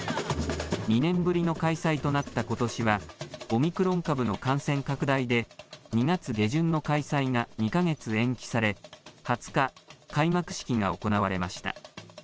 ２年ぶりの開催となったことしは、オミクロン株の感染拡大で、２月下旬の開催が２か月延期され、２０日、開幕式が行われました。